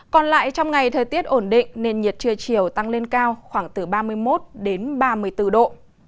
còn lại trong ngày thời tiết ổn định nền nhiệt trưa chiều tăng lên cao khoảng từ ba mươi một đến ba mươi bốn độ